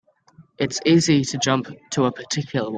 It's easy to jump to a particular one.